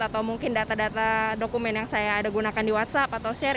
atau mungkin data data dokumen yang saya ada gunakan di whatsapp atau share